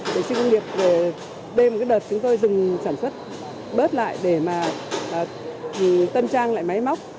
vệ sinh công nghiệp đêm đợt chúng tôi dừng sản xuất bớt lại để mà tân trang lại máy móc